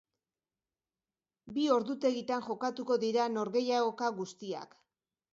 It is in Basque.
Bi ordutegitan jokatuko dira norgehiagoka guztiak.